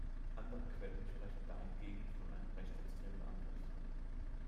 Andere Quellen sprechen dahingegen von einem rechtsextremen Angriff.